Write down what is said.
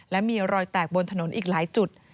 และมีรอยแตกบนถนนอีกหลายจุด